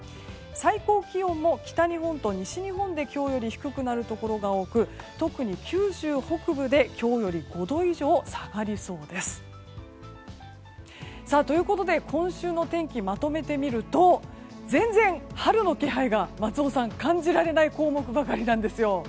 最高気温も北日本と西日本で今日より低くなるところが多く特に九州北部で今日より５度以上下がりそうです。ということで今週の天気をまとめてみると全然春の気配が松尾さん感じられない項目ばかりなんですよ。